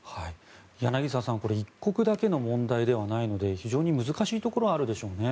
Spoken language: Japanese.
柳澤さん、これ１国だけの問題ではないので非常に難しいところはあるでしょうね。